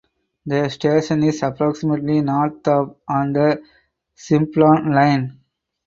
The station is approximately north of on the Simplon line.